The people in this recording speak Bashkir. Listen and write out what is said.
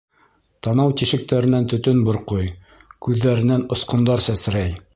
Танау тишектәренән төтөн борҡой, күҙҙәренән осҡондар сәсрәй.